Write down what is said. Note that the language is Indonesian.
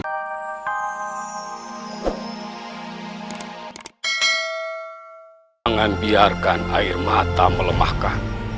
jangan biarkan air mata melemahkan